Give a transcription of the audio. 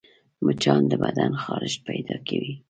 مچان د بدن خارښت پیدا کوي